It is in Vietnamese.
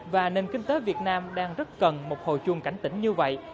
và nền kinh tế việt nam đang rất cần một hồi chuông cảnh tỉnh như vậy